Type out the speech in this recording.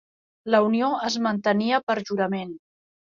La unió es mantenia per jurament.